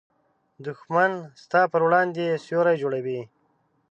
دښمن ستا پر وړاندې سیوری جوړوي